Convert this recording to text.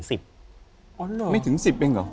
อ๋อเหรอไม่ถึง๑๐เองเหรอ